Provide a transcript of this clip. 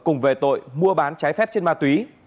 cùng về tội mua bán trái phép trên ma túy